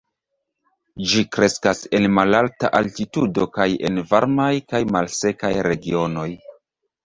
Ĝi kreskas en malalta altitudo kaj en varmaj kaj malsekaj regionoj.